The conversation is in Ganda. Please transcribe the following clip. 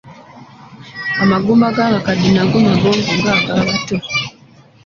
Amagumba g'abakadde nago magonvu nga agabato.